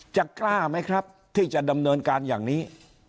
จะกล้าไหมครับที่จะดำเนินการอย่างนี้